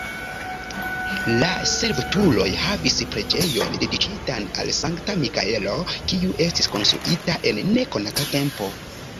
La servutuloj havis preĝejon dediĉitan al Sankta Mikaelo, kiu estis konstruita en nekonata tempo.